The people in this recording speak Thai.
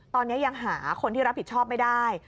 ตอนนี้ยังหาคนที่รับผิดชอบไม่ได้